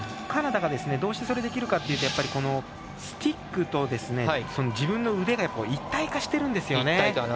カナダがどうしてそれができるかというとやっぱりスティックと自分の腕が一体化してるんですよね。